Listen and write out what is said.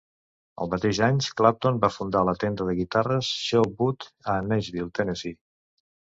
El mateix any, Clapton va fundar la tenda de guitarres Sho-Bud a Nashville, Tennessee.